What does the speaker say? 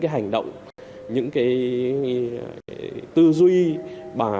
những hành động những hành động những hành động những hành động những hành động những hành động những hành động